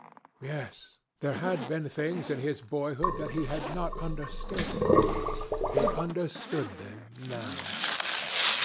Yes; there had been things in his boyhood that he had not understood. He understood them now.